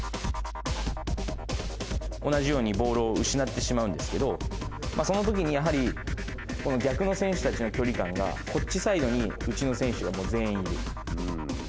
同じようにボールを失ってしまうんですけどそのときにやはりこの逆の選手たちの距離感がこっちサイドにうちの選手がもう全員いる。